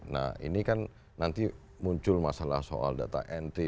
nah ini kan nanti muncul masalah soal data ent